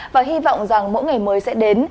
và hy vọng rằng mỗi ngày mới sẽ đến